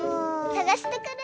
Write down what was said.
さがしてくる！